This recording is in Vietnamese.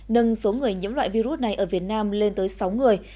nâng số người nhiễm loại virus này ở việt nam lên tới sáu người